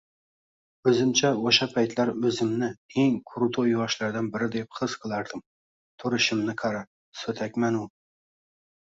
Oʻzimcha oʻsha paytlar oʻzimni eng krutoy yoshlardan biri deb his qilardim, turishimni qara soʻtakmanu...